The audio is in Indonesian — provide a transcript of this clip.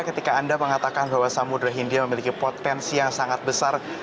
ketika anda mengatakan bahwa samudera hindia memiliki potensi yang sangat besar